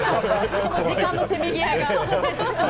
時間のせめぎ合いが。